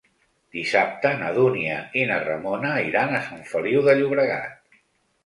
Dissabte na Dúnia i na Ramona iran a Sant Feliu de Llobregat.